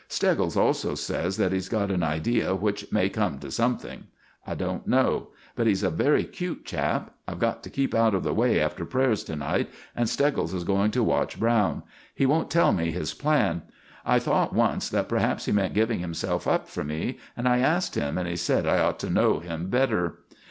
Steggles also says that he's got an idea which may come to something. I don't know; but he's a very cute chap. I've got to keep out of the way after prayers to night, and Steggles is going to watch Browne. He won't tell me his plan. I thought once that perhaps he meant giving himself up for me, and I asked him, and he said I ought to know him better."